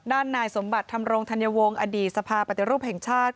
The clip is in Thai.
นายสมบัติธรรมรงธัญวงศ์อดีตสภาปฏิรูปแห่งชาติ